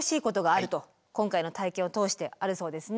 今回の体験を通してあるそうですね。